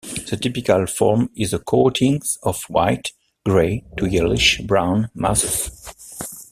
The typical form is as coatings of white, grey to yellowish brown masses.